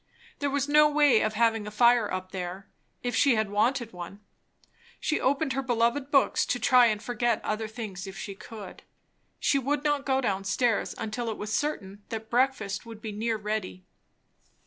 There was no way of having a fire up there, if she had wanted one. She opened her beloved books, to try and forget other things if she could. She would not go down stairs until it was certain that breakfast would be near ready.